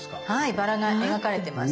バラが描かれてます。